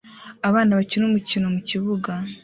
Abana bakina umukino mukibuga